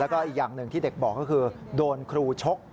แล้วก็อีกอย่างหนึ่งที่เด็กบอกก็คือโดนครูชก